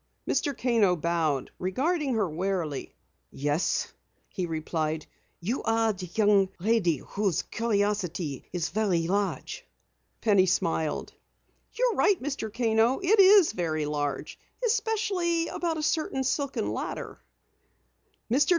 Mr. Kano bowed, regarding her warily. "Yes," he replied. "You are the young lady whose curiosity is very large." Penny smiled. "You are right, Mr. Kano. It is very large, especially about a certain silken ladder." Mr.